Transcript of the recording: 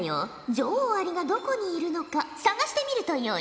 女王アリがどこにいるのか探してみるとよい。